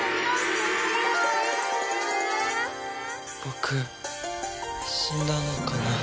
僕死んだのかな。